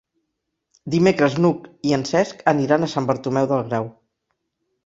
Dimecres n'Hug i en Cesc aniran a Sant Bartomeu del Grau.